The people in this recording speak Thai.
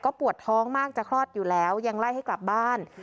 ปวดท้องมากจะคลอดอยู่แล้วยังไล่ให้กลับบ้าน